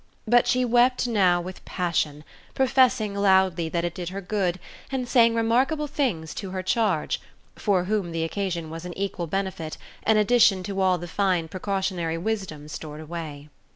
But she wept now with passion, professing loudly that it did her good and saying remarkable things to her charge, for whom the occasion was an equal benefit, an addition to all the fine precautionary wisdom stored away.